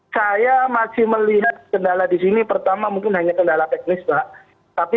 saya masih melihat kendala di sini pertama mungkin hanya kendala teknis mbak